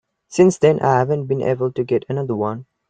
Since then I haven't been able to get another one.